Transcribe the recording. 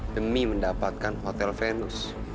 demi mendapatkan hotel venus